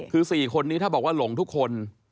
คือ๔คนนี้ถ้าบอกว่าหลงทุกคน